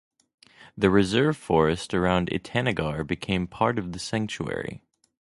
The reserve forest around Itanagar became part of the sanctuary.